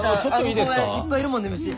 あの公園いっぱいいるもんね虫。